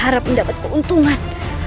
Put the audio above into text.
saya berharap mendapat keuntungan